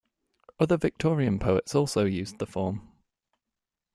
Other Victorian poets also used the form.